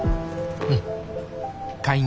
うん。